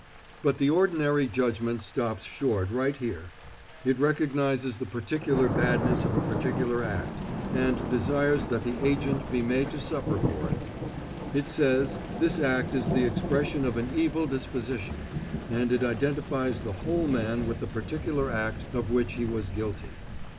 But the ordinary judgment stops short right here. It recognizes the particular badness of a particular act, and desires that the agent be made to suffer for it. It says, this act is the expression of an evil disposition, and it identifies the whole man with the particular act of which he was guilty.